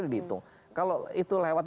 dihitung kalau itu lewat